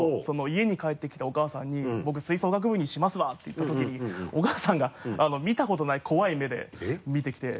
家に帰ってきたお母さんに「僕吹奏楽部にしますわ」って言ったときにお母さんが見たことない怖い目で見てきて。